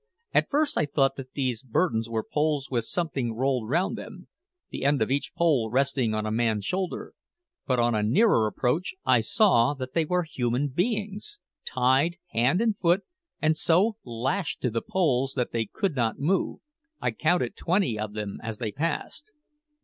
At first I thought that these burdens were poles with something rolled round them, the end of each pole resting on a man's shoulder; but on a nearer approach I saw that they were human beings, tied hand and foot, and so lashed to the poles that they could not move. I counted twenty of them as they passed.